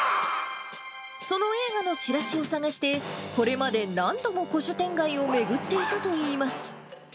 その映画のチラシを探して、これまで何度も古書店街を巡っていたといいます。